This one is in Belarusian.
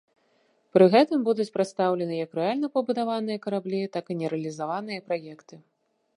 Пры гэтым будуць прадстаўлены як рэальна пабудаваныя караблі, так і нерэалізаваныя праекты.